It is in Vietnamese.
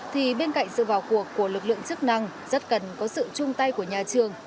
thì bên cạnh sự vào cuộc của lực lượng chức năng rất cần có sự chung tay của nhà trường